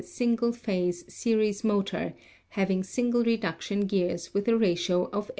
single phase series motor having single reduction gears with a ratio of 18: 95.